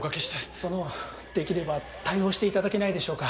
そのできれば対応していただけないでしょうか？